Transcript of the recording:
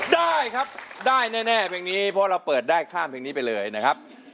ได้ครับได้แน่เพลงนี้เพราะเราเปิดได้ข้ามเพลงนี้ไปเลยนะครับ